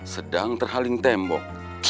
sedang terhaling tembok